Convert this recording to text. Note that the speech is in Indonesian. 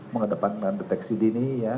mengedepankan deteksi dini ya